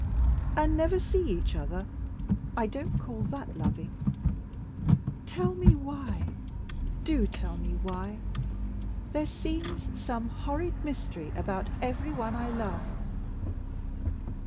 "And never see each other? I don't call that loving. Tell me why: do tell me why. There seems some horrid mystery about every one I love."